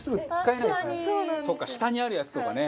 そっか下にあるやつとかね。